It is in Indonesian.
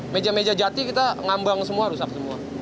meja meja jati kita ngambang semua rusak semua